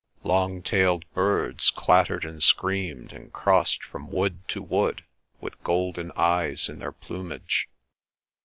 Long tailed birds clattered and screamed, and crossed from wood to wood, with golden eyes in their plumage.